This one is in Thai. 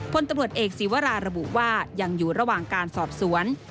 พลตำรวจเอกศีวราระบุว่ายังอยู่ระหว่างการสอบสวน